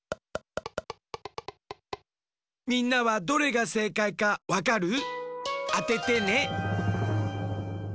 みんなはどれがせいかいかわかる？あててね。